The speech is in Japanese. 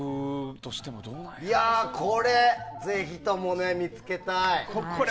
これ、ぜひとも見つけたい。